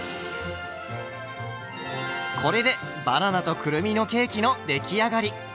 これでバナナとくるみのケーキの出来上がり。